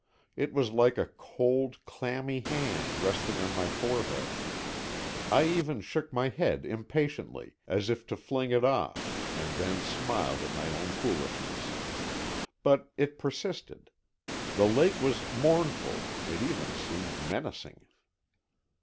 It was like a cold, clammy hand resting on my forehead. I even shook my head impatiently, as if to fling it off, and then smiled at my own foolishness. But it persisted. The lake was mournful, it even seemed menacing.